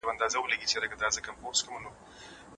که په زده کړه کې مینه وي نو ستړیا نشته.